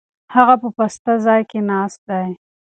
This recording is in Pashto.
هغه په پاسته ځای کې ناست دی.